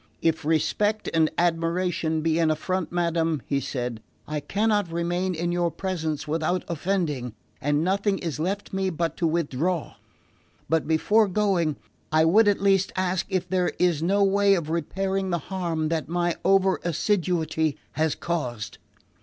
"If respect and admiration be an affront, madam," he said, "I cannot remain in your presence without offending, and nothing is left me but to withdraw; but before going I would at least ask if there is no way of repairing the harm that my over assiduity has caused."